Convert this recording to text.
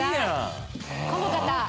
この方。